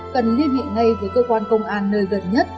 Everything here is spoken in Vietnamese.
cần liên hệ ngay với cơ quan công an nơi gần nhất